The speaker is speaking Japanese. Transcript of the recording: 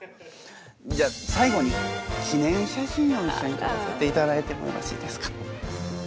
じゃ最後に記念写真を一緒に撮らせていただいてもよろしいですか。